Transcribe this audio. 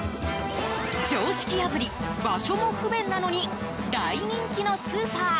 常識破り、場所も不便なのに大人気のスーパー。